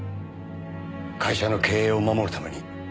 会社の経営を守るために率先して。